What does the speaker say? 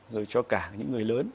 rồi cho cả những người lớn